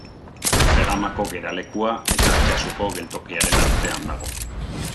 Zegamako geralekua eta Altsasuko geltokiaren artean dago.